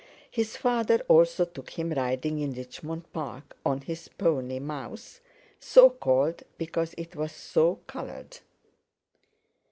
His father also took him riding in Richmond Park, on his pony, Mouse, so called because it was so coloured.